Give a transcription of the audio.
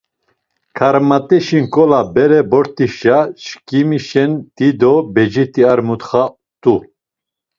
Karmat̆eşi nk̆ola bere bort̆işa çkimişen dido becit̆i ar muntxa t̆u.